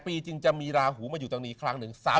ปีจึงจะมีราหูมาอยู่ตรงนี้ครั้งหนึ่ง